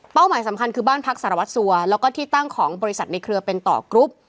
หมายสำคัญคือบ้านพักสารวัตรสัวแล้วก็ที่ตั้งของบริษัทในเครือเป็นต่อกรุ๊ป